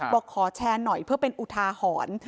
บอกขอแชร์หน่อยเพื่อเป็นอุทาหรณ์